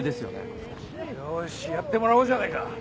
よしやってもらおうじゃねえか。